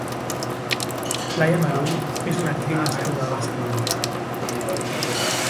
Laia Marull és una actriu nascuda a Barcelona.